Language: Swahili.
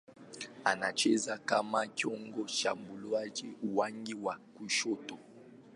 Anacheza kama kiungo mshambuliaji au winga wa kushoto.